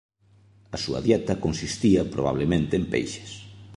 A súa dieta consistía probablemente en peixes.